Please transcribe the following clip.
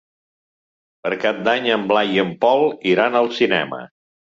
Per Cap d'Any en Blai i en Pol iran al cinema.